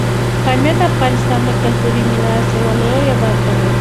پامیر د افغانستان د کلتوري میراث یوه لویه برخه ده.